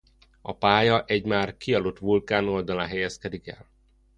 A pálya egy már kialudt vulkán oldalában helyezkedik el.